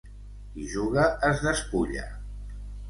Qui juga es despulla.